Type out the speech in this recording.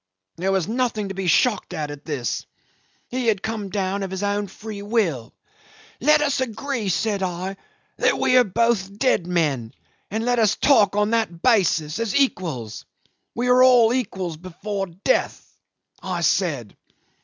There was nothing to be shocked at in this. He had come down of his own free will. 'Let us agree,' said I, 'that we are both dead men, and let us talk on that basis, as equals. We are all equal before death,' I said.